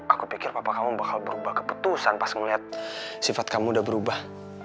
aku pikir papa kamu bakal berubah keputusan pas ngeliat sifat kamu udah berubah